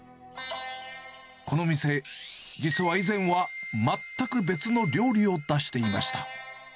この店、実は以前は全く別の料理を出していました。